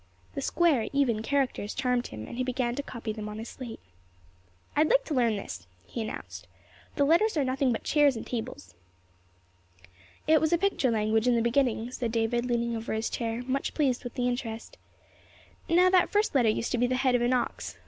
The square, even characters charmed him, and he began to copy them on his slate. "I'd like to learn this," he announced. "The letters are nothing but chairs and tables." "It was a picture language in the beginning," said David, leaning over his chair, much pleased with his interest. "Now, that first letter used to be the head of an ox.